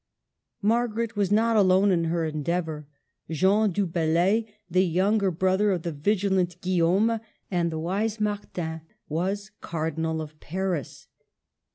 Margaret was not alone in her endeavor. Jean du Bellay, the younger brother of the vigilant Guillaume and the wise Martin, was Cardinal of Paris.